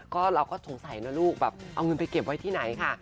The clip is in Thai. ก็เราก็สงสัยนะลูกแบบเอาเงินไปเก็บไว้ที่ไหนค่ะ